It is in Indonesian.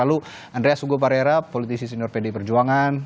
lalu andreas hugo parera politisi senior pd perjuangan